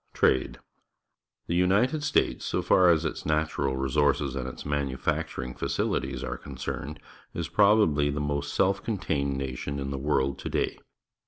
f Trade. — The United States, so far as its natural resources and its manufacturing facihties are concerned, is probably the most self contained nation in the world to day.